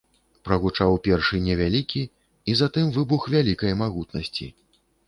Прагучаў першы невялікі, і затым выбух вялікай магутнасці.